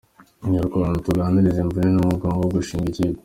Inyarwanda: Tuganirize imvune n’umugogoro wo gushinga ikipe?.